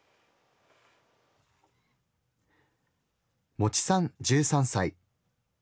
餅さん１３歳。